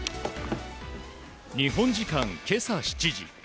日本時間今朝７時。